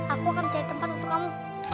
aku akan cari tempat untuk kamu